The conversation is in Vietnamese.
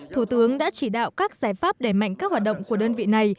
thủ tướng đã chỉ đạo các giải pháp để mạnh các hoạt động của đơn vị này